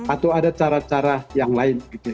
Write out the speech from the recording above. atau ada cara cara yang lain